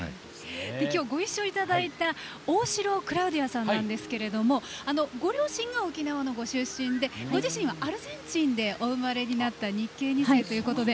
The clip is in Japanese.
今日、ご一緒いただいた大城クラウディアさんなんですがご両親が沖縄のご出身でご自身はアルゼンチンでお生まれになった日系二世ということで。